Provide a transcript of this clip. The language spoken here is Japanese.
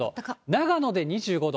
長野で２５度。